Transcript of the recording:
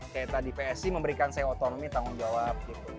kayak tadi psi memberikan saya otonomi tanggung jawab gitu